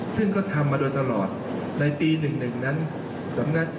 ซึ่งก็ทำมาโดยตลอดในปี๑๑นั้นสำนัก